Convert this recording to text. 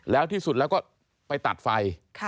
แล้วที่สุดแล้วก็ไปตัดไฟ